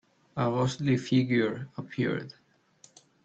A ghostly figure appeared.